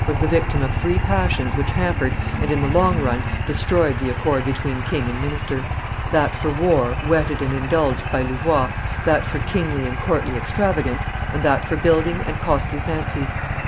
was the victim of three passions which hampered and in the long run destroyed the accord between king and minister: that for war, whetted and indulged by Louvois; that for kingly and courtly extravagance; and that for building and costly fancies.